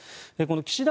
岸田